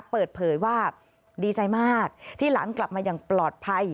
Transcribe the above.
เปิดเผยว่าดีใจมากที่หลานกลับมาอย่างปลอดภัย